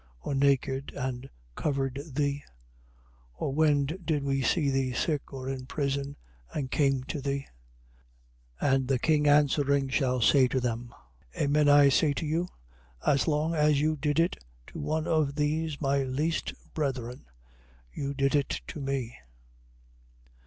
Or naked and covered thee? 25:39. Or when did we see thee sick or in prison and came to thee? 25:40. And the king answering shall say to them: Amen I say to you, as long as you did it to one of these my least brethren, you did it to me.